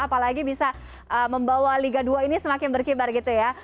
apalagi bisa membawa liga dua ini semakin berkibar gitu ya